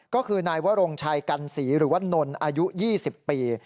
ก็คือนายวรงชัยกันศรีหรือว่านนอายุ๒๐ปี